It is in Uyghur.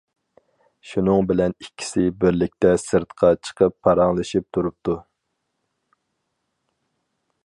شۇنىڭ بىلەن ئىككىسى بىرلىكتە سىرتقا چىقىپ پاراڭلىشىپ تۇرۇپتۇ.